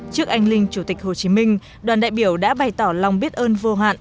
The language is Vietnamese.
trước anh linh chủ tịch hồ chí minh đoàn đại biểu đã bày tỏ lòng biết ơn vô hạn